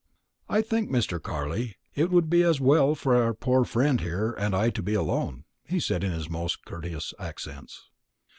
"I think, Mr. Carley, it would be as well for our poor friend and I to be alone," he said in his most courteous accents.